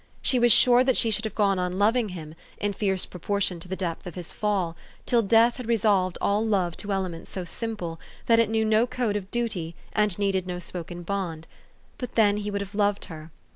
She was sure that she should have gone on loving him, in fierce proportion to the depth of his fall, till death had resolved all love to elements so simple, that it knew no code of fluty, and needed no spoken bond. But then he would have loved her.